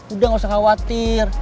udah gak usah khawatir